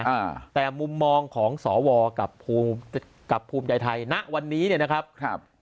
อ่าแต่มุมมองของสวกับภูมิกับภูมิใจไทยณวันนี้เนี่ยนะครับครับ